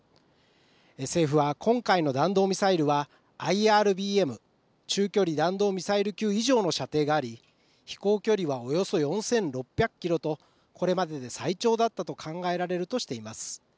政府は今回の弾道ミサイルはＩＲＢＭ・中距離弾道ミサイル級以上の射程があり飛行距離はおよそ４６００キロとこれまでで最長だったと考えられるとしています。